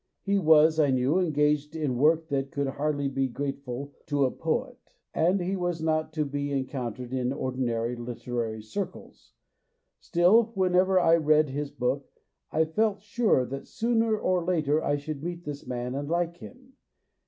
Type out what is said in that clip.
He was, I knew, engaged in work that could hardly be grateful to a poet, and he was not to be encountered in ordinary literary circles ; still, whenever I read his book I felt sure that sooner or later I should meet this man and like him.